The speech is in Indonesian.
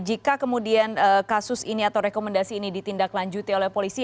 jika kemudian kasus ini atau rekomendasi ini ditindaklanjuti oleh polisi